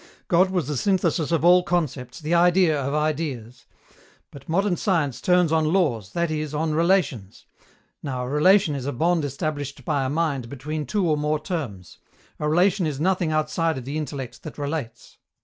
God was the synthesis of all concepts, the idea of ideas. But modern science turns on laws, that is, on relations. Now, a relation is a bond established by a mind between two or more terms. A relation is nothing outside of the intellect that relates.